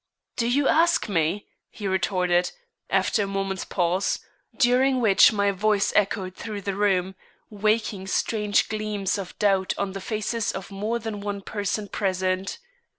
"Do you ask me?" he retorted, after a moment's pause, during which my voice echoed through the room, waking strange gleams of doubt on the faces of more than one person present.